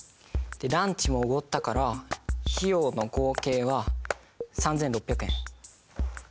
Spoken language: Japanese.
ランチもおごったから費用の合計は３，６００円。